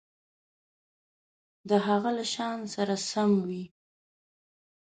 د هغه له شأن سره سم وي.